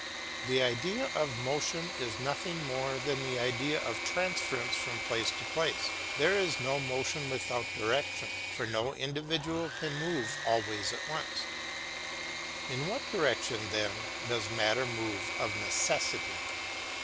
The idea of motion is nothing more than the idea of transference from place to place; there is no motion without direction; for no individual can move all ways at once. In what direction then does matter move of necessity?